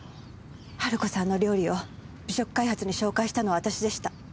春子さんの料理を美食開発に紹介したのは私でした。